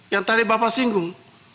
yang tadi bapak singgung